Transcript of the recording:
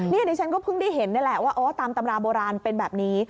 นี่ดิฉันก็เพิ่งได้เห็นนี่แหละว่าตามตำราโบราณเป็นแบบนี้